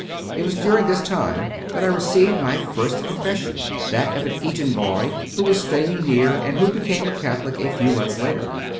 It was during this time that I received my first confession that of an Eton boy who was staying near and who became a Catholic a few months later.